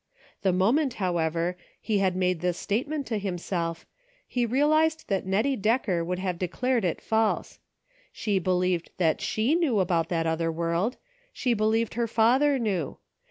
The moment, however, he had made this statement to himself, he realized that Nettie Decker would have declared it false. She believed that s/ie knew about that other world ; she believed her father knew.